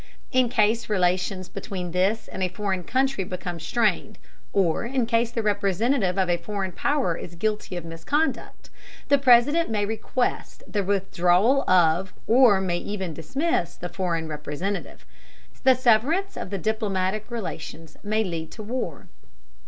In case relations between this and a foreign country become strained, or in case the representative of a foreign power is guilty of misconduct, the President may request the withdrawal of, or may even dismiss, the foreign representative. This severance of diplomatic relations may lead to war.